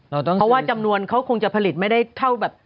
เพราะว่าจำนวนเขาคงจะผลิตไม่ได้เท่าแบบ